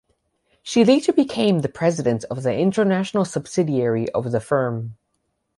She later became the president of the international subsidiary of the firm.